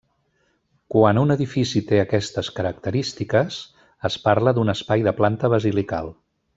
Quan un edifici té aquestes característiques, es parla d'un espai de planta basilical.